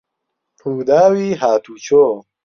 ڕووداوی هاتووچۆ